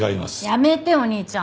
やめてお兄ちゃん。